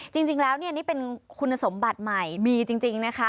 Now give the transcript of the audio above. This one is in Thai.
จริงแล้วเนี่ยนี่เป็นคุณสมบัติใหม่มีจริงนะคะ